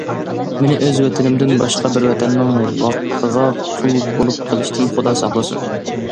مېنى ئۆز ۋەتىنىمدىن باشقا بىر ۋەتەننىڭ ۋاقتىغا قۇل بولۇپ قېلىشتىن خۇدا ساقلىسۇن!